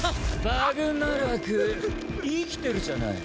バグナラク生きてるじゃない。